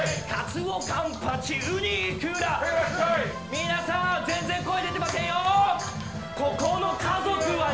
皆さん全然声出てませんよ。